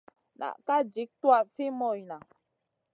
Na ka jik tuwaʼa fi moyna.